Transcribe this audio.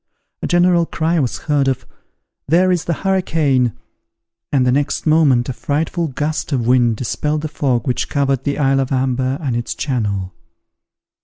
A general cry was heard of, "There is the hurricane!" and the next moment a frightful gust of wind dispelled the fog which covered the isle of Amber and its channel.